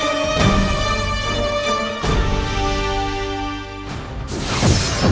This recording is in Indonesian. semoga kau cepat pulih